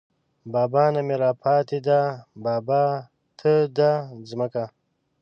بابا نه مې راپاتې ده بابا ته ده دا ځمکه